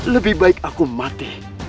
lebih baik aku mati